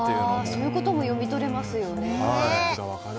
そういうことも読み取れますよね。